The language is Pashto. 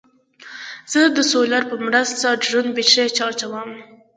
زه د سولر په مرسته ډرون بیټرۍ چارجوم.